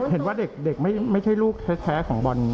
เห็นว่าเด็กไม่ใช่ลูกแท้ของบอล